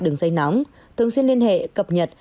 đường dây nóng thường xuyên liên hệ cập nhật